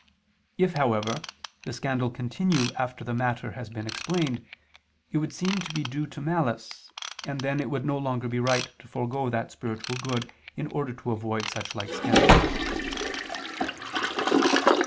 If, however, the scandal continue after the matter has been explained, it would seem to be due to malice, and then it would no longer be right to forego that spiritual good in order to avoid such like scandal.